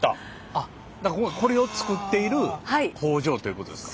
あっこれを作っている工場ということですか？